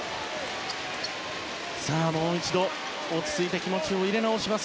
もう一度、落ち着いて気持ちを入れ直します